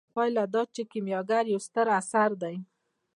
پایله دا چې کیمیاګر یو ستر اثر دی.